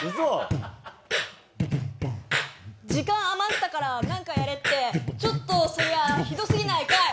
時間余ったから何かやれってちょっとそりゃ、ひどすぎないかい！